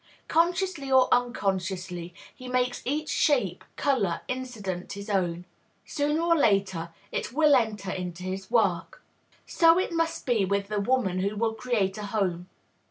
Consciously or unconsciously, he makes each shape, color, incident his own; sooner or later it will enter into his work. So it must be with the woman who will create a home.